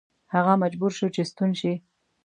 هغه مجبور شو چې ستون شي.